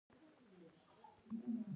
چیني پروژې خلکو ته کار پیدا کوي.